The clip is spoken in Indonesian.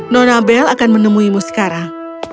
nona bel akan menemuimu sekarang